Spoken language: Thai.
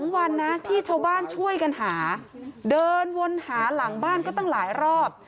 วันนะที่ชาวบ้านช่วยกันหาเดินวนหาหลังบ้านก็ตั้งหลายรอบ